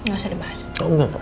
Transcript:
gak usah dibahas